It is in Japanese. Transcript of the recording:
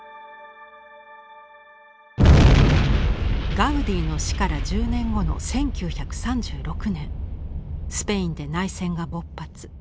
ガウディの死から１０年後の１９３６年スペインで内戦が勃発。